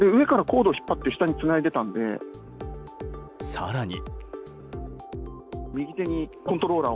更に。